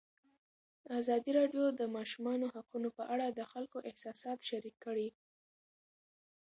ازادي راډیو د د ماشومانو حقونه په اړه د خلکو احساسات شریک کړي.